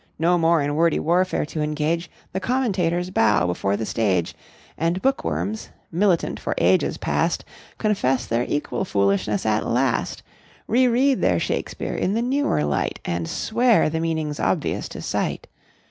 No more in wordy warfare to engage, The commentators bow before the stage, And bookworms, militant for ages past, Confess their equal foolishness at last, Reread their Shakspeare in the newer light And swear the meaning's obvious to sight.